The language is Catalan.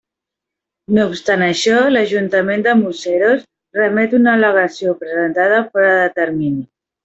No obstant això, l'Ajuntament de Museros remet una al·legació presentada fora de termini.